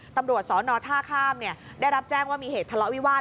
ตำรวจสอนอท่าข้ามได้รับแจ้งว่ามีเหตุทะเลาะวิวาส